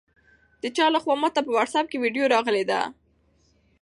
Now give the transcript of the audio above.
د چا لخوا ماته په واټساپ کې ویډیو راغلې ده؟